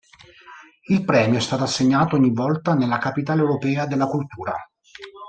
Il premio è stato assegnato ogni volta nella capitale europea della cultura.